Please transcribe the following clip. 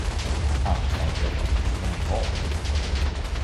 Här måste arbetas, men med vad?